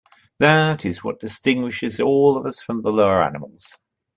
That is what distinguishes all of us from the lower animals.